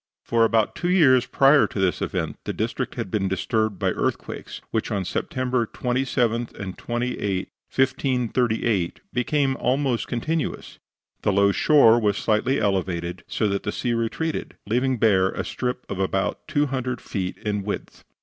For about two years prior to this event the district had been disturbed by earthquakes, which on September 27 and 28, 1538, became almost continuous. The low shore was slightly elevated, so that the sea retreated, leaving bare a strip about two hundred feet in width.